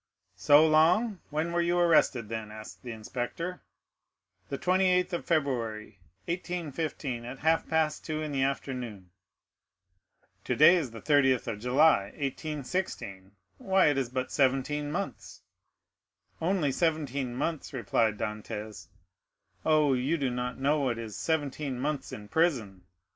"So long?—when were you arrested, then?" asked the inspector. "The 28th of February, 1815, at half past two in the afternoon." "Today is the 30th of July, 1816,—why, it is but seventeen months." "Only seventeen months," replied Dantès. "Oh, you do not know what is seventeen months in prison!